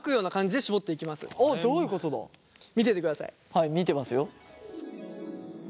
はい見てますよ。